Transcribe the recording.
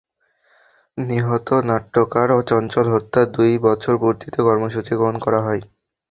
নিহত নাট্যকার চঞ্চল হত্যার দুই বছর পূর্তিতে কর্মসূচি গ্রহণ করা হয়।